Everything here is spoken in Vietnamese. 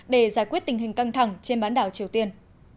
để giải quyết tình hình căng thẳng trên bán đảo triều tiên